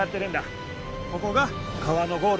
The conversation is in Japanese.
ここが川のゴールだよ。